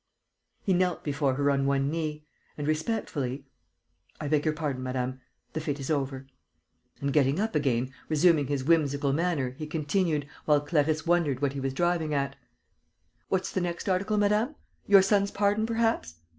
He knelt before her on one knee. And, respectfully: "I beg your pardon, madame. The fit is over." And, getting up again, resuming his whimsical manner, he continued, while Clarisse wondered what he was driving at: "What's the next article, madame? Your son's pardon, perhaps?